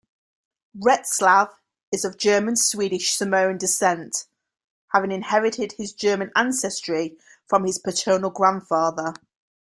Retzlaff is of German-Swedish-Samoan descent, having inherited his German ancestry from his paternal grandfather.